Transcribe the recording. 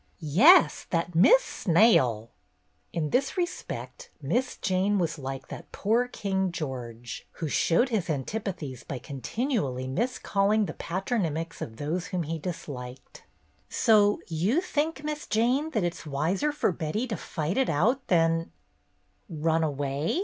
"Yes, that Miss Snail!" In this respect Miss Jane was like that poor King George, who showed his antipathies by continually miscalling the patronymics of those whom he disliked 1 "So you think. Miss Jane, that it's wiser for Betty to fight it out than —" "Run away?"